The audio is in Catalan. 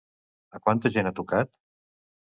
A quanta gent ha tocat?